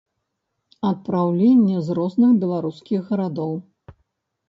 Адпраўленне з розных беларускіх гарадоў.